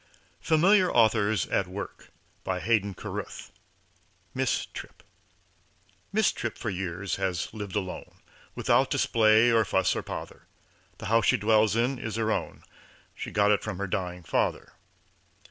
FAMILIAR AUTHORS AT WORK BY HAYDEN CARRUTH MISS TRIPP Miss Tripp for years has lived alone, Without display or fuss or pother. The house she dwells in is her own She got it from her dying father.